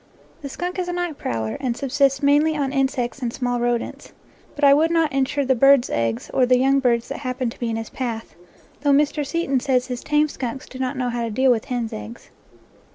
The skunk is a night prowler, and subsists mainly upon insects and small rodents; but I would not insure the birds' eggs or the young birds that hap pen to be in his path, though Mr. Seton says his tame skunks do not know how to deal with hen's eggs.